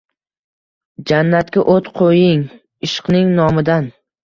jannatga o’t qo’ying ishqning nomidan.